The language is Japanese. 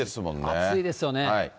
暑いですよね。